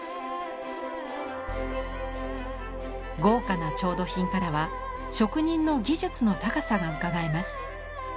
豪華な調度品からは職人の技術の高さがうかがえます。